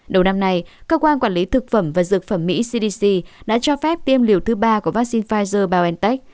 đầu năm nay cơ quan quản lý thực phẩm và dược phẩm mỹ cdc đã cho phép tiêm liều thứ ba của vaccine pfizer biontech